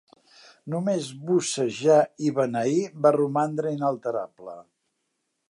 Només "bussejar" i "beneir" va romandre inalterable.